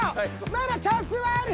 まだチャンスはある！